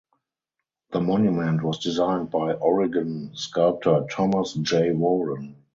The monument was designed by Oregon sculptor Thomas Jay Warren.